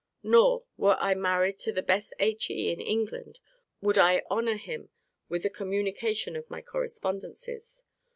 Nor, were I married to the best HE in England, would I honour him with the communication of my correspondences.